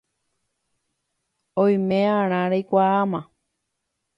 Oime'arã reikuaáma